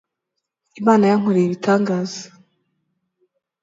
imana yankoreye ibitangaza